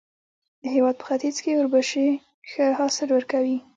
د هېواد په ختیځ کې اوربشې ښه حاصل ورکوي.